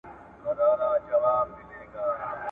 ته چي صبر کړې غرور پکښي څرګند دی !.